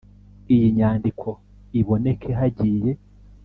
iyi nyandiko iboneke hagiye